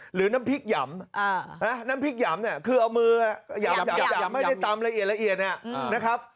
หรือน้ำพริกหย่ำน้ำพริกหย่ำเนี่ยคือเอามือหย่ำให้ในตำละเอียดเนี่ย